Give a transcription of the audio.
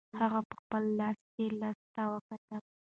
هغه په خپل لاس کې لسی ته وکتل.